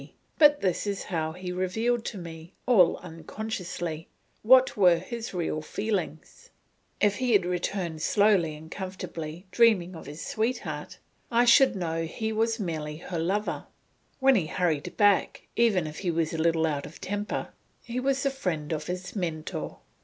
But this is how he revealed to me, all unconsciously, what were his real feelings; if he had returned slowly and comfortably, dreaming of his sweetheart, I should know he was merely her lover; when he hurried back, even if he was a little out of temper, he was the friend of his Mentor.